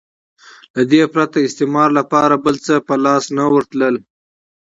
له دې پرته استعمار لپاره بل څه په لاس نه ورتلل.